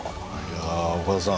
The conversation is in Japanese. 岡田さん